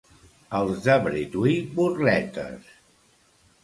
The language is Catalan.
Els de Bretui, burletes.